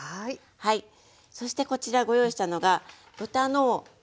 そしてこちらご用意したのが豚の豚カツ用の肉。